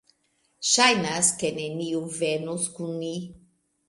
Ŝajnas, ke neniu venos kun ni